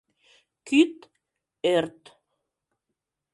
Кӱт — ӧрт.